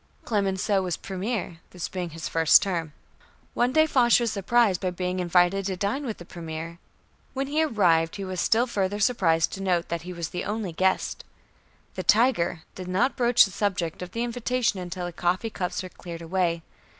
Clemenceau was Premier, this being his first term. One day Foch was surprised by being invited to dine with the Premier. When he arrived he was still further surprised to note that he was the only guest. The "Tiger" did not broach the subject of the invitation until the coffee cups were cleared away.